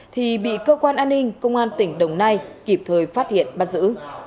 thì bị cơ quan an ninh công an tỉnh đồng nai kịp thời phát hiện bắt giữ